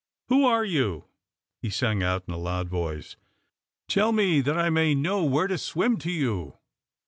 "Who are you?" he sang out in a loud voice. "Tell me, that I may know where to swim to you."